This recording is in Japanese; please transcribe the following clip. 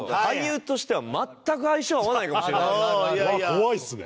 怖いですね。